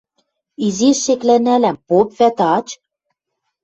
Изиш шеклӓнӓлӓм: поп вӓтӹ ач.